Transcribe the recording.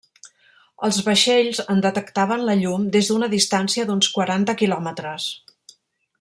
Els vaixells en detectaven la llum des d'una distància d'uns quaranta quilòmetres.